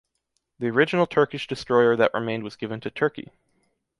The original Turkish destroyer that remained was given to Turkey.